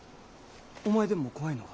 お前でも怖いのか？